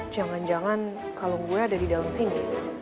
jangan jangan kalung gue ada di dalam sini